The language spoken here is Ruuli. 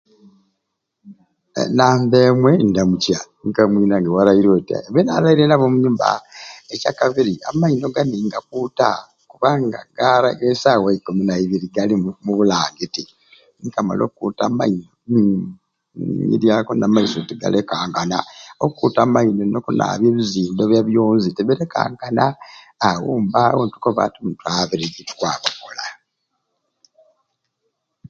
Enamba emwei ndamukya ninkoba aa mwinange waraire otyai benaraire nabo omunyumba, ekya kabiri amaino gani ng'akuuta kubanga garai esawa ikumi naibiri gali mubulangiti, ninkamala okuuta amaino ninyiryaku namaiso tigalenkangana okuuta amaino nokunabya ebizindo bya byonzi tibirekangana awombe awo nitukoba twabire tukwaba kukola.